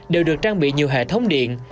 đều được trang bị nhiều hệ thống điện